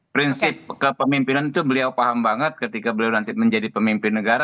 prinsip kepemimpinan itu beliau paham banget ketika beliau nanti menjadi pemimpin negara